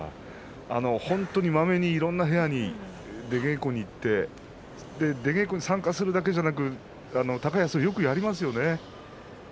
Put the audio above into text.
本当にもういろんな部屋に出稽古にいって出稽古に参加するだけじゃなく高安、よくやりますよね。